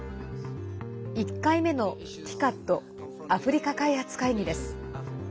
１回目の、ＴＩＣＡＤ＝アフリカ開発会議です。